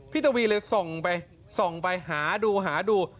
ทวีเลยส่องไปส่องไปหาดูหาดู